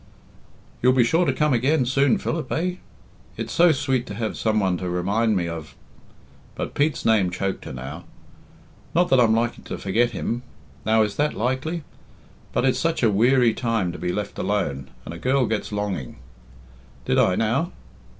"You'll be sure to come again soon, Philip, eh? It's so sweet to have some one to remind me of " but Pete's name choked her now. "Not that I'm likely to forget him now is that likely? But it's such a weary time to be left alone, and a girl gets longing. Did I now?